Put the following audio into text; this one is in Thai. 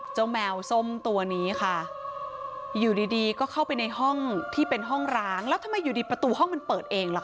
แมวส้มตัวนี้ค่ะอยู่ดีดีก็เข้าไปในห้องที่เป็นห้องร้างแล้วทำไมอยู่ดีประตูห้องมันเปิดเองล่ะค